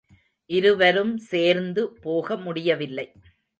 இருவரும் சேர்ந்து போக முடியவில்லை.